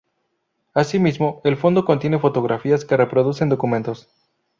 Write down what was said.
Asimismo, el fondo contiene fotografías que reproducen documentos.